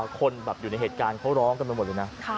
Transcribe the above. คนอยู่ในเหตุการณ์เขาร้องกันไปหมดเลยนะ